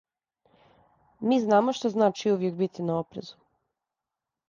Ми знамо шта значи увијек бити на опрезу.